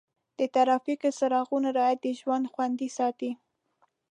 د ټرافیک څراغونو رعایت د ژوند خوندي ساتي.